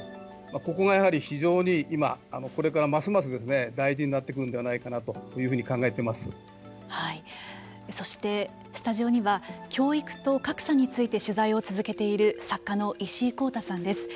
ここがやはり非常に今これからますます大事になってくるんではないかなとそして、スタジオには教育と格差について取材を続けている作家の石井光太さんです。